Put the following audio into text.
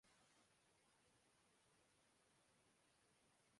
کا کوئی امکان نہیں کیونکہ سب ایک پیج پر ہیں